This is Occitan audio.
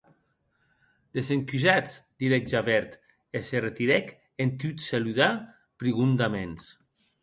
Desencusatz, didec Javert e se retirèc en tot saludar prigondaments.